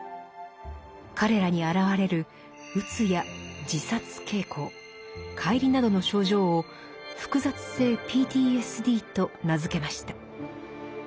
彼らに現れるうつや自殺傾向解離などの症状を「複雑性ＰＴＳＤ」と名付けました。